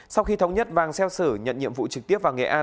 sau khi thống nhất vàng xeo sử nhận nhiệm vụ trực tiếp vào nghệ an